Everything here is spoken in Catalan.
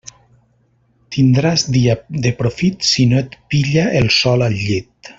Tindràs dia de profit si no et pilla el sol al llit.